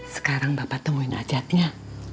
sekarang bapak temuin ajatnya